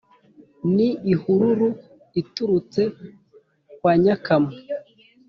N’ ihururu iturutse kwa Nyakamwe.